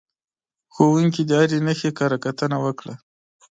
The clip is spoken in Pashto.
ښوونکي د هرې نښې کره کتنه وکړه.